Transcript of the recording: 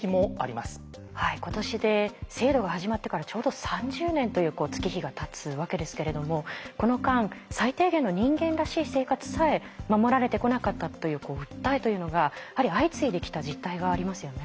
はい今年で制度が始まってからちょうど３０年という月日がたつわけですけれどもこの間最低限の人間らしい生活さえ守られてこなかったという訴えというのが相次いできた実態がありますよね。